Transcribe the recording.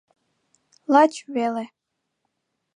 — Лач веле.